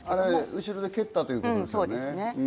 後ろで蹴ったということですね。